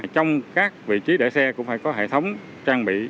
trong các vị trí để xe cũng phải có hệ thống trang bị